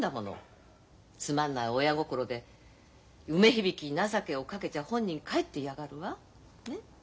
つまんない親心で梅響に情けをかけちゃ本人かえって嫌がるわ。ね。